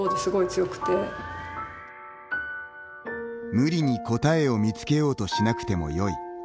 無理に答えを見つけようとしなくてもよい。